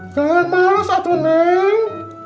jangan males atu neng